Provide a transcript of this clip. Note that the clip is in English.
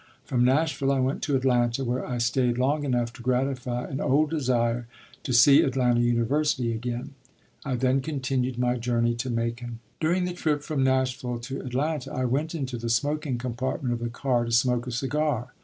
From Nashville I went to Atlanta, where I stayed long enough to gratify an old desire to see Atlanta University again. I then continued my journey to Macon. During the trip from Nashville to Atlanta I went into the smoking compartment of the car to smoke a cigar.